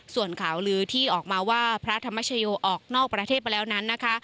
ส่วนข่าวลือที่ออกมาว่าพระธรรมชโยออกนอกประเทศไปแล้วนั้นนะคะ